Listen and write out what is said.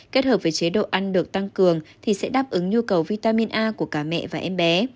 kết hợp với chế độ ăn được tăng cường thì sẽ đáp ứng nhu cầu vitamin a của cả mẹ và em bé